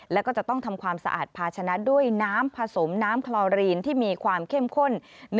แล้วก็จะต้องทำความสะอาดภาชนะด้วยน้ำผสมน้ำคลอรีนที่มีความเข้มข้น